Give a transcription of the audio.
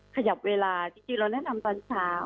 ขยับเวลาจริงเราแนะนำตอนเช้า